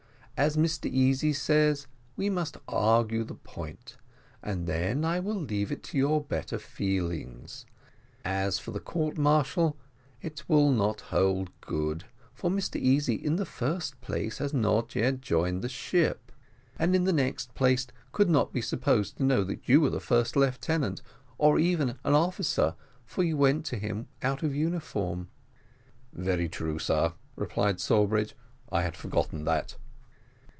As Mr Easy says, we must argue the point, and then I will leave it to your better feelings. As for the court martial, it will not hold good, for Mr Easy, in the first place, has not yet joined the ship, and in the next place, could not be supposed to know that you were the first lieutenant, or even an officer, for you went to him out of uniform." "Very true, sir," replied Sawbridge, "I had forgotten that."